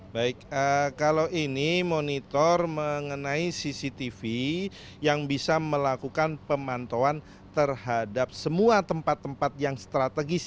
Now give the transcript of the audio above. baik kalau ini monitor mengenai cctv yang bisa melakukan pemantauan terhadap semua tempat tempat yang strategis